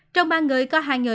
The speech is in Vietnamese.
trong ba người có hai người